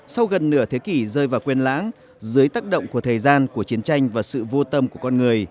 sau gần nửa thế kỷ rơi vào quên lãng dưới tác động của thời gian của chiến tranh và sự vô tâm của con người